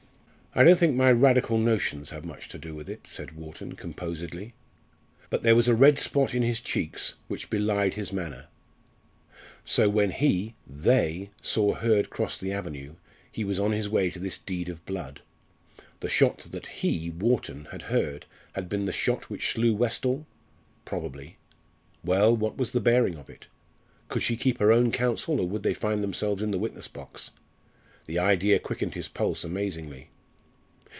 "I don't think my Radical notions have much to do with it," said Wharton, composedly. But there was a red spot in his cheeks which belied his manner. So when he they saw Hurd cross the avenue he was on his way to this deed of blood. The shot that he, Wharton, had heard had been the shot which slew Westall? Probably. Well, what was the bearing of it? Could she keep her own counsel or would they find themselves in the witness box? The idea quickened his pulse amazingly.